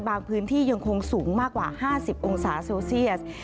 พื้นที่ยังคงสูงมากกว่า๕๐องศาเซลเซียส